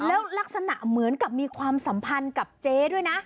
แล้วลักษณะเหมือนกับมีความสัมพันธ์กับเจ๊ด้วยนะ